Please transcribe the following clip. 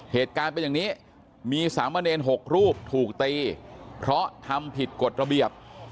เหตุการณ์เป็นอย่างนี้มีสามเณร๖รูปถูกตีเพราะทำผิดกฎระเบียบ